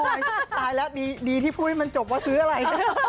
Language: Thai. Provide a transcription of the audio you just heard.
ตายแล้วดีที่พูดให้มันจบว่าซื้ออะไร